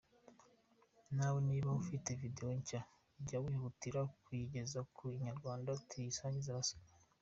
Nawe niba ufite Video nshya, jya wihutira kuyigeza ku Inyarwanda tuyisangize abasomyi.